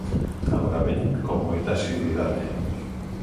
Agora veñen con moita asiduidade.